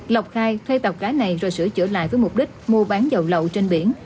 lộc khai thuê tàu cá này rồi sửa chở lại với mục đích mua bán dầu lậu trên biển